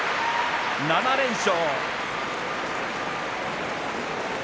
７連勝。